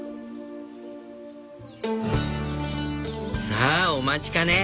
さあお待ちかね！